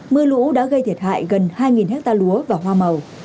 mưa lũ đã gây thiệt hại gần hai hectare lúa và hoa màu